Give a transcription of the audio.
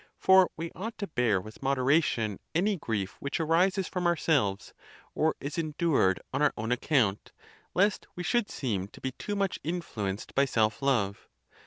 For we ought to bear with mod eration any grief which arises from ourselves, or is endured on our own account, lest we should seem to be too much influenced by self love.